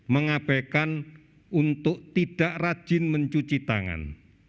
mengabaikan untuk tidak rajin mencuci tangan